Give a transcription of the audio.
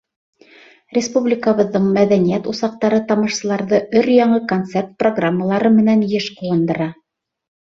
Республикабыҙҙың мәҙәниәт усаҡтары тамашасыларҙы өр-яңы концерт программалары менән йыш ҡыуандыра.